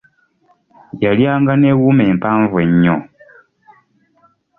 Yalya nga ne wuma empanvu ennyo.